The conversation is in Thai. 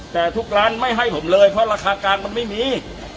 แต่ทุกร้านไม่ให้ผมเลยเพราะราคากลางมันไม่มี